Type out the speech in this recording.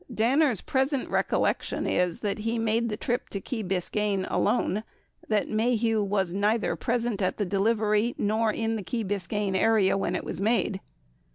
Danner's present recollection is that he made the trip to Key Bis cayne alone, that Maheu was neither present at the delivery nor in the Key Biscayne area when it was made.